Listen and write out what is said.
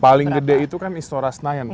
paling gede itu kan istora senayan